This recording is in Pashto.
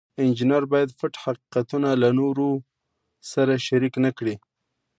انجینر باید پټ حقیقتونه له نورو سره شریک نکړي.